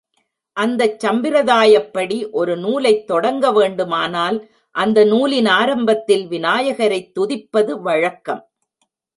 அந்தச் சம்பிரதாயப்படி, ஒரு நூலைத் தொடங்க வேண்டுமானால் அந்த நூலின் ஆரம்பத்தில் விநாயகரைத் துதிப்பது வழக்கம்.